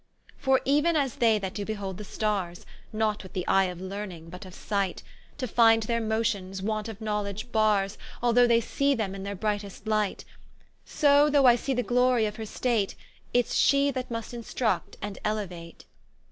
For euen as they that doe behold the Starres, Not with the eie of Learning, but of Sight, To find their motions, want of knowledge barres Although they see them in their brightest light: So, though I see the glory of her State, Its she that must instruct and eleuate.